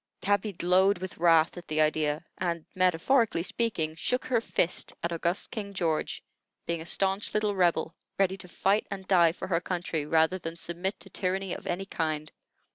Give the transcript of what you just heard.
Tabby glowed with wrath at the idea, and (metaphorically speaking) shook her fist at august King George, being a stanch little Rebel, ready to fight and die for her country rather than submit to tyranny of any kind.